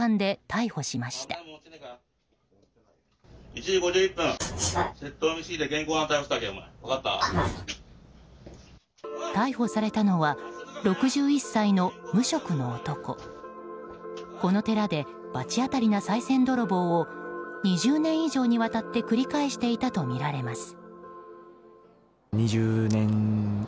この寺で罰当たりなさい銭泥棒を２０年以上にわたって繰り返していたとみられます。